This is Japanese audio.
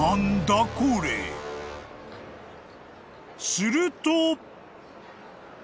［すると］